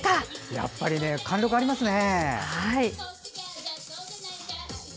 やっぱり貫禄ありますね。